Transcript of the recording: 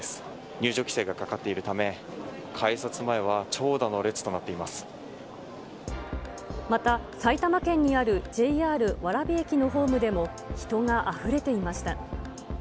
入場規制がかかっているため、また、埼玉県にあるＪＲ蕨駅のホームでも、人があふれていました。